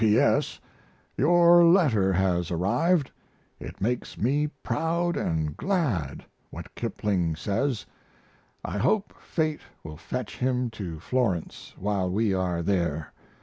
P. S. Your letter has arrived. It makes me proud and glad what Kipling says. I hope Fate will fetch him to Florence while we are there.